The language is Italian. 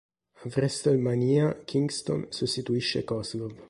A Wrestlemania, Kingston sostituisce Kozlov.